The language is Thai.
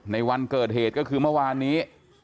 ในวันเกิดเหตุก็คือเมื่อวานนี้